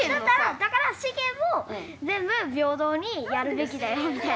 だから資源も全部平等にやるべきだよみたいな。